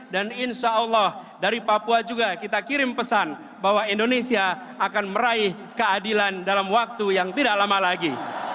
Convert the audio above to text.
dan insya allah dari papua juga kita kirim pesan bahwa indonesia akan meraih keadilan dalam waktu yang tidak lama lagi